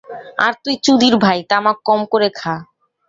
আর তুই চুদির ভাই, তামাক কম করে খা!